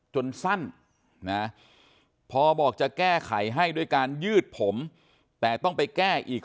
สั้นนะพอบอกจะแก้ไขให้ด้วยการยืดผมแต่ต้องไปแก้อีก